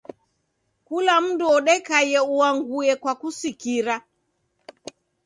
Kula mundu ndekaie uangue kwa kusikira.